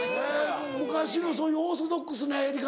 昔のそういうオーソドックスなやり方。